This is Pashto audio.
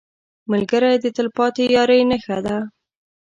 ملګری د تلپاتې یارۍ نښه ده